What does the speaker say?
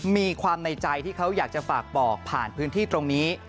มีความในใจที่เขาอยากจะฝากบอกผ่านพื้นที่ตรงนี้